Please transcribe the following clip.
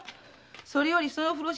それよりその風呂敷